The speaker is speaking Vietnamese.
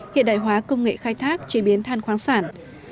hiện đại hóa công nghệ khai thác và chế biến than khoáng sản việt nam tkv